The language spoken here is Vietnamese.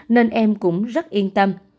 nên em cũng rất yên tâm